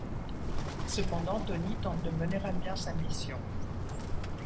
Cependant, Toni tente de mener à bien sa mission.